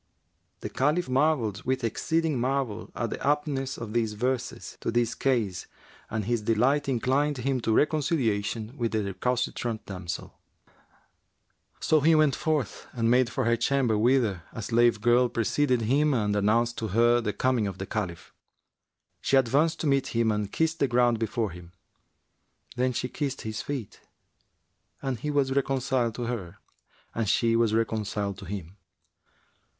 The Caliph marvelled with exceeding marvel at the aptness of these verses to his case and his delight inclined him to reconciliation with the recalcitrant damsel. So he went forth and made for her chamber whither a slave girl preceded him and announced to her the coming of the Caliph. She advanced to meet him and kissed the ground before him; then she kissed his feet and he was reconciled to her and she was reconciled to him.